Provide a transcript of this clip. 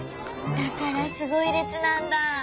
だからすごいれつなんだ。